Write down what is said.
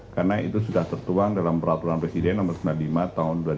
karena itu sudah tertuang dalam peraturan presiden no sembilan puluh lima tahun dua ribu tujuh belas